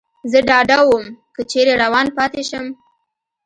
زه ډاډه ووم، که چېرې روان پاتې شم.